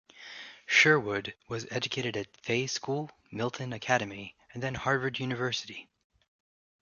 Sherwood was educated at Fay School, Milton Academy and then Harvard University.